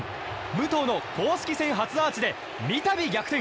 武藤の公式戦初アーチでみたび逆転！